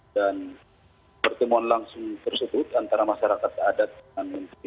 dan pertemuan langsung tersebut antara masyarakat adat dan menteri